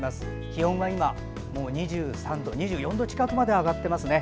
気温は今、２４度近くまで上がっていますね。